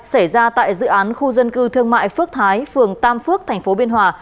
xảy ra tại dự án khu dân cư thương mại phước thái phường tam phước tp biên hòa